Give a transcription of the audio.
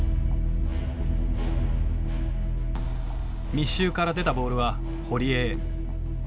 密集から出たボールは堀江へ。